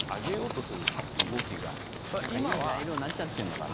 いい材料になっちゃってんのかな。